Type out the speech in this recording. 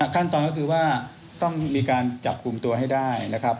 ขั้นตอนก็คือว่าต้องมีการจับกลุ่มตัวให้ได้นะครับ